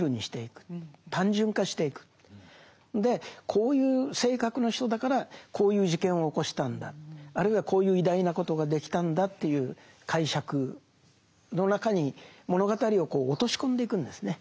こういう性格の人だからこういう事件を起こしたんだあるいはこういう偉大なことができたんだという解釈の中に物語を落とし込んでいくんですね。